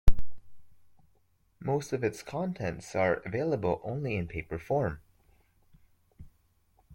Most of its contents are available only in paper form.